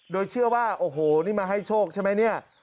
โดยเชื่อว่าโอ้โหนี่มาให้โชคใช่ไหมเนี่ย